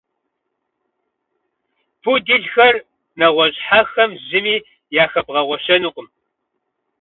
Пуделхэр нэгъуэщӏ хьэхэм зыми яхэбгъэгъуэщэнукъым.